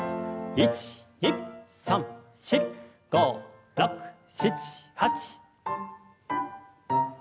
１２３４５６７８。